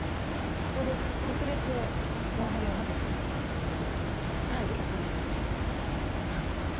ここで、こすれてこの辺が剥げているのは絶えず、ここにいるためですね。